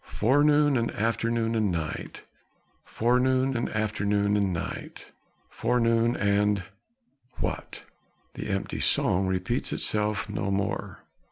Forenoon and afternoon and night, Forenoon, And afternoon, and night, Forenoon, and what! The empty song repeats itself. No more?